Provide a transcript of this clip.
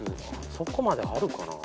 そこまであるかな？